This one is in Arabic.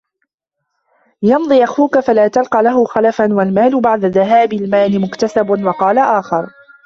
يَمْضِي أَخُوك فَلَا تَلْقَى لَهُ خَلَفًا وَالْمَالُ بَعْدَ ذَهَابِ الْمَالِ مُكْتَسَبُ وَقَالَ آخَرُ